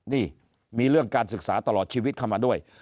นี่มีเรื่องการศึกษาตลอดชีวิตเข้ามาด้วย